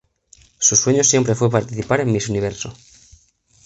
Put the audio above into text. Su sueño siempre fue participar en Miss Universo.